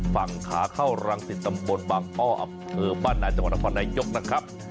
ฝั่งข้าเข้ารังสิทธิ์ตำบลบ้านบ้านนายจังหวัดนครนายยกนะครับ